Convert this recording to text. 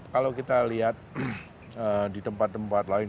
kalau kita lihat di tempat tempat lain